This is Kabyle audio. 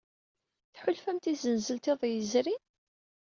Tḥulfamt i tzenzelt iḍ yezrin?